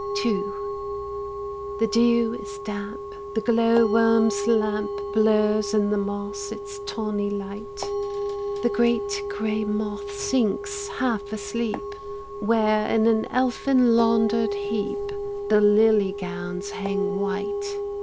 II. The dew is damp; the glow worm's lamp Blurs in the moss its tawny light; The great gray moth sinks, half asleep, Where, in an elfin laundered heap, The lily gowns hang white.